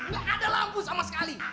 nggak ada lampu sama sekali